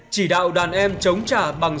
chỉ đạo đàn em chống trả bằng